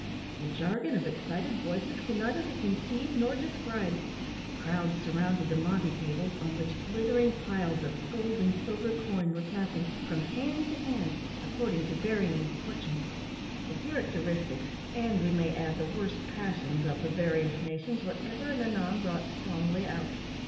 The jargon of excited voices can neither be conceived nor described. Crowds surrounded the monte tables, on which glittering piles of gold and silver coin were passing from hand to hand according to varying fortune. The characteristics and we may add the worst passions of the various nations were ever and anon brought strongly out.